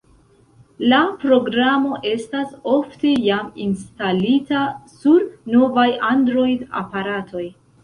La programo estas ofte jam instalita sur novaj Android-aparatoj.